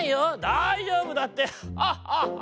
「だいじょうぶだってハッハッハッハ。